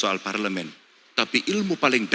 atau mundur mundur di dua ribu lima